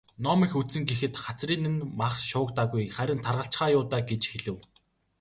"Ном их үзсэн гэхэд хацрын нь мах шуугдаагүй, харин таргалчихаа юу даа" гэж хэлэв.